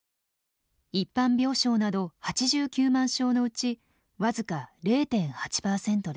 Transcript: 一般病床など８９万床のうち僅か０．８％です。